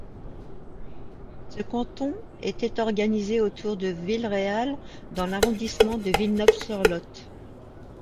Ce canton était organisé autour de Villeréal dans l'arrondissement de Villeneuve-sur-Lot.